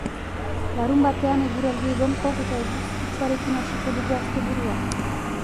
Larunbatean, eguraldi egonkor eta eguzkitsuarekin hasiko dugu asteburua.